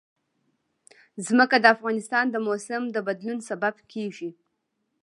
ځمکه د افغانستان د موسم د بدلون سبب کېږي.